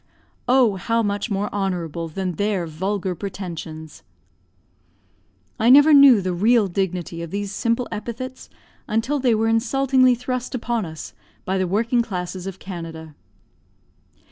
Oh, how much more honourable than their vulgar pretensions! I never knew the real dignity of these simple epithets until they were insultingly thrust upon us by the working classes of Canada.